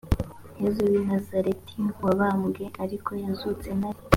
yesu w i nazareti wabambwe ariko yazutse ntari